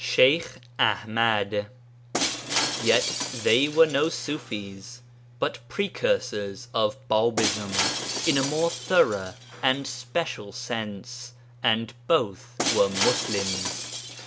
SHEYKH AḤMAD Yet they were no Ṣufis, but precursors of Bābism in a more thorough and special sense, and both were Muslims.